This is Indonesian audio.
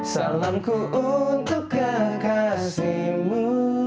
salamku untuk kekasihmu